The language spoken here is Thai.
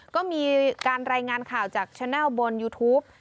ก็มีการรายงานข่าวจากแชนัลบนยูทูป